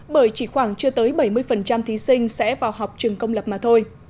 bởi chỉ khoảng chưa tới bảy mươi thí sinh sẽ vào học trường công lập mà thôi